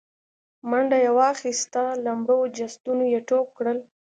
منډه يې واخيسته، له مړو جسدونو يې ټوپ کړل.